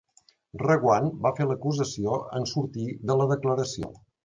Reguant va fer l'acusació en sortir de la declaració